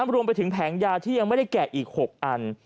รวมไปถึงแผงยาที่ยังไม่ได้แกะอีก๖อัน